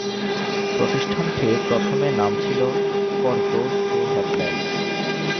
প্রতিষ্ঠানটির প্রথমে নাম ছিলো ‘for those who have less’.